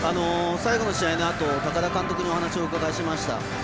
最後の試合のあと高田監督にお話を聞きました。